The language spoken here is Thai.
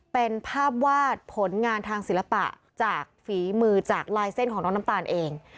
เป็นภาพวาดผลงานทางศิลปะจากฝีมือจากลายเส้นของน้องน้ำตาลเอง